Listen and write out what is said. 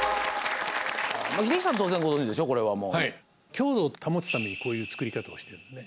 強度を保つためにこういう造り方をしてるんですね。